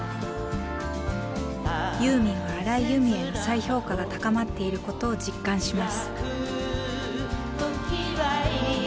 ユーミンは荒井由実への再評価が高まっていることを実感します。